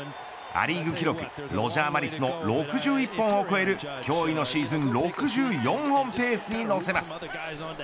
ア・リーグ記録ロジャー・マリスの６１本を超える驚異のシーズン６４本ペースにのせます。